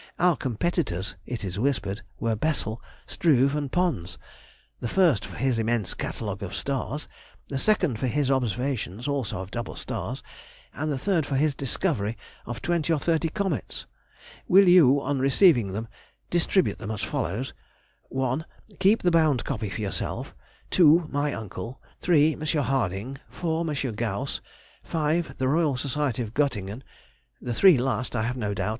Our competitors, it is whispered, were Bessel, Struve, and Pons, the first for his immense catalogue of stars; the second for his observations, also of double stars; the third for his discovery of twenty or thirty comets. Will you, on receiving them, distribute them as follows:—1. Keep the bound copy for yourself; 2. My uncle; 3. M. Harding; 4. M. Gauss; 5. The Royal Society of Göttingen. The three last, I have no doubt, M.